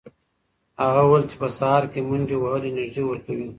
هغه وویل چې په سهار کې منډې وهل انرژي ورکوي.